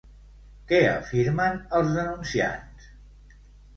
Què afirmen els denunciants?